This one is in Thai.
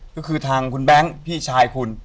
ก็คือทางคุณแบงค์พี่ชายคุณ